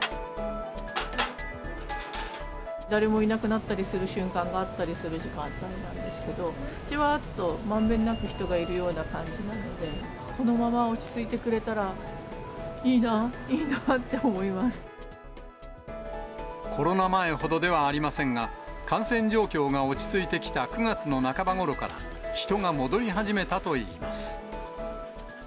誰もいなくなったりする瞬間があったりする時間があったんですけど、じわっと、まんべんなく人がいるような感じなので、このまま落ち着いてくれたらいいコロナ前ほどではありませんが、感染状況が落ち着いてきた９月の半ばごろから、人が戻り始めたといいます。